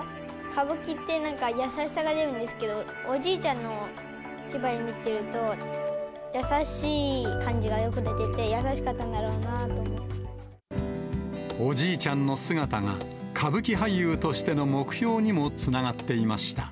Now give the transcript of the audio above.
歌舞伎ってなんか、優しさが出るんですけど、おじいちゃんの芝居見てると、優しい感じがよく出てて、おじいちゃんの姿が、歌舞伎俳優としての目標にもつながっていました。